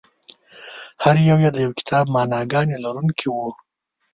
هر یو یې د یو کتاب معناګانې لرونکي وو.